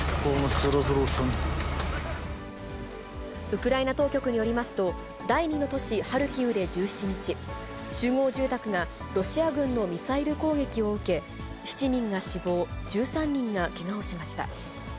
ウクライナ当局によりますと、第２の都市ハルキウで１７日、集合住宅がロシア軍のミサイル攻撃を受け、７人が死亡、１３人がけがをしました。